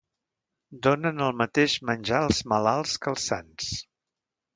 Donen el mateix menjar als malalts que als sans